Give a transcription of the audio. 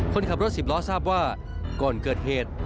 คนขับรถสิบล้อทราบว่าก่อนเกิดเหตุ